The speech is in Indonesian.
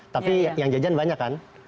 tapi yang jajan banyak kan